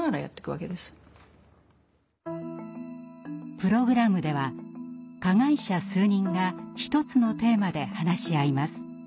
プログラムでは加害者数人が１つのテーマで話し合います。